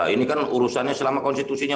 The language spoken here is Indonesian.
ini kan urusannya selama konstitusinya